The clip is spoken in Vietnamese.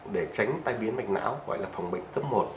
để tránh tai biến mạch não gọi là phòng bệnh cấp một